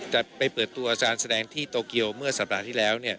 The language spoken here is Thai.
จะไปเปิดตัวอาจารย์แสดงที่โตเกียวเมื่อสัปดาห์ที่แล้ว